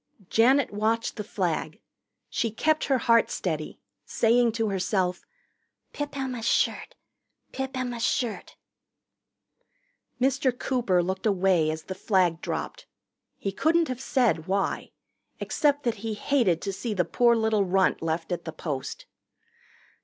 Janet watched the flag. She kept her heart steady, saying to herself, "Pip Emma's shirt Pip Emma's shirt " Mr. Cooper looked away as the flag dropped. He couldn't have said why, except that he hated to see the poor little runt left at the post.